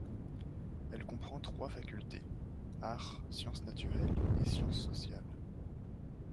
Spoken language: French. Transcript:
Elle comprend trois facultés, Arts, Sciences Naturelles et Sciences Sociales.